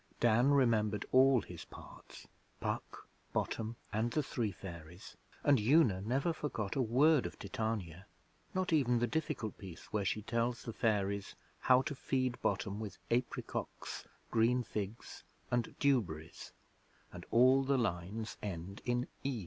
Dan remembered all his parts Puck, Bottom, and the three Fairies and Una never forgot a word of Titania not even the difficult piece where she tells the Fairies how to feed Bottom with 'apricocks, green figs, and dewberries', and all the lines end in 'ies'.